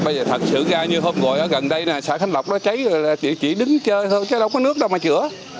bây giờ thật sự ra như hôm gọi ở gần đây xã khánh lộc nó cháy rồi chỉ đứng chơi thôi chứ đâu có nước đâu mà chữa